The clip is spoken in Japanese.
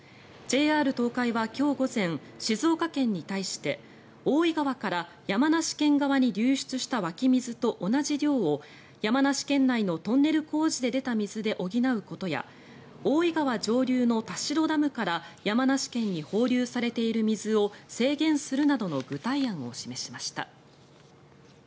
ＪＲ東海は今日午前静岡県に対して大井川から山梨県側に流出した湧き水と同じ量を山梨県内のトンネル工事で出た水で補うことや大井川上流の田代ダムから山梨県に放流されている水を制限するなどの具体案を示しました。